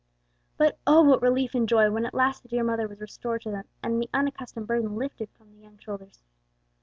But oh what relief and joy when at last the dear mother was restored to them and the unaccustomed burden lifted from the young shoulders!